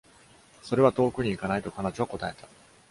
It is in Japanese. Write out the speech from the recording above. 「それは遠くに行かない」と彼女は答えた。